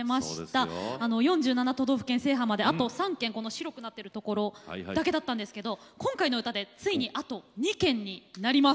４７都道府県制覇まであと３県この白くなってるところだけだったんですけど今回の歌でついにあと２県になります。